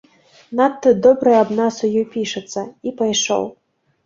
Надта добрае аб нас у ёй пішацца, і пайшоў.